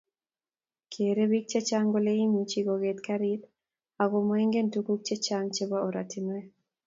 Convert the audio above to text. Kerei bik chechang kole imuchi koket garit ako moingen tuguk chechang chebo oratinwek